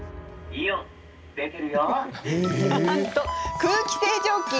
なんと、空気清浄機。